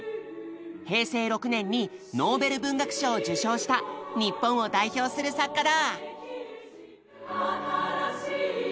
平成６年にノーベル文学賞を受賞した日本を代表する作家だ。